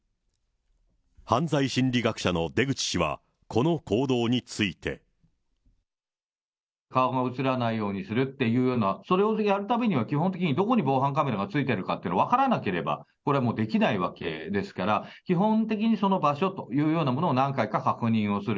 犯罪心理学者の出口氏は、この報道について。顔も写らないようにするっていうような、それをやるためには、基本的にどこに防犯カメラがついているかっていうのが分からなければこれはもうできないわけですから、基本的にその場所というようなものを何回か確認をする。